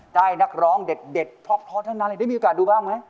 ได้นักร้องเด็ดพร้อมเท่านั้นเลยได้มีโอกาสดูบ้างไหม